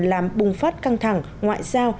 làm bùng phát căng thẳng ngoại giao